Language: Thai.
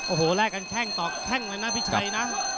โอ้โหแลกกันแข้งต่อแข้งเลยนะพี่ชัยนะ